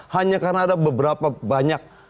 hanya karena ada beberapa banyak